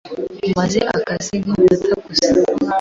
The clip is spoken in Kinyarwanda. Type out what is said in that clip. Umaze akazi nkiminota gusa.